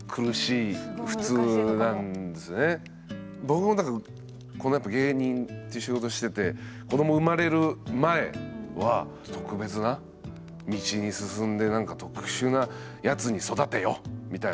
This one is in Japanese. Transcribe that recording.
僕もだからこのやっぱ芸人っていう仕事してて子ども生まれる前は特別な道に進んで何か特殊なやつに育てよみたいなどっかで思ってたんですけど